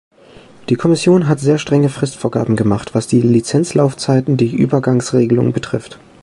Die Kommission hat sehr strenge Fristvorgaben gemacht, was die Lizenzlaufzeiten, die Übergangsregelungen betrifft.